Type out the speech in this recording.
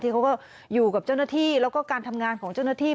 เขาก็อยู่กับเจ้าหน้าที่แล้วก็การทำงานของเจ้าหน้าที่